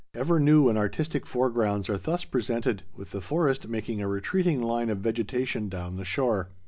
Ever new and artistic foregrounds are thus presented, with the forest making a retreating line of vegetation down the shore.